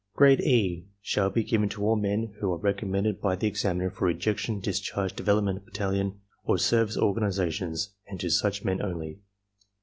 Grade E shall be given to all men who are recommended by the examiner for rejection, discharge, Development Battalion, or service organizations, and to such men only.